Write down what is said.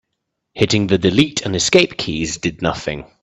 Hitting the delete and escape keys did nothing.